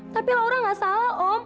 tapi laura nggak salah om